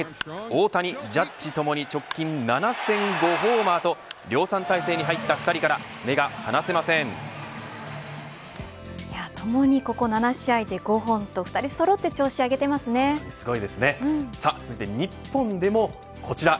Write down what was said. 大谷、ジャッジともに直近７戦５ホーマーと量産体制に入った２人からともにここ７試合で５本と２人そろって続いて日本でもこちら。